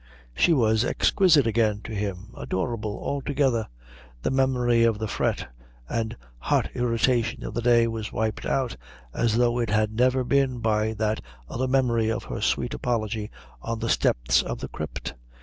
She was exquisite again to him, adorable altogether. The memory of the fret and hot irritation of the day was wiped out as though it had never been by that other memory of her sweet apology on the steps of the crypt.